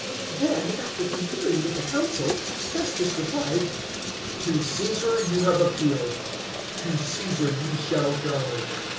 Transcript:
025:012 Then, after conferring with the Council, Festus replied, "To Caesar you have appealed: to Caesar you shall go."